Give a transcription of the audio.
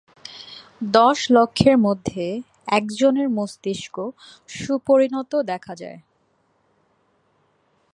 দশ লক্ষের মধ্যে একজনের মস্তিষ্ক সুপরিণত দেখা যায়।